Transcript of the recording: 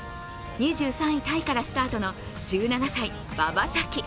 ２３位タイからスタートの１７歳、馬場咲希。